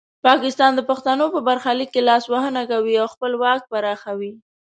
پاکستان د پښتنو په برخلیک کې لاسوهنه کوي او خپل واک پراخوي.